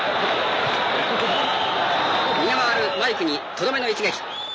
逃げ回るマイクにとどめの一撃。